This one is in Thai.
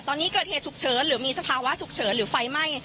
ตอนนี้เกิดเหตุฉุกเฉินหรือมีสภาวะฉุกเฉินหรือไฟไหม้